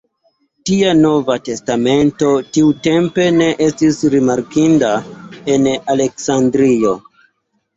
Tia Nova Testamento tiutempe ne estis rimarkinda en Aleksandrio.